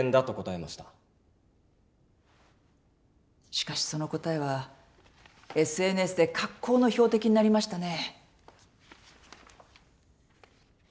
しかしその答えはＳＮＳで格好の標的になりましたね。